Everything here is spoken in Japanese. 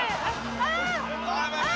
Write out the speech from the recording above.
ああ！